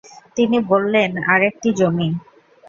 তিনি বললেনঃ আরেকটি যমীন।